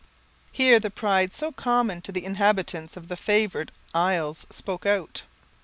_" Here the pride so common to the inhabitants of the favoured isles spoke out.